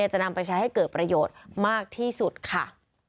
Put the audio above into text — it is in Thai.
จะนำไปใช้ให้เกิดประโยชน์มากที่สุดค่ะ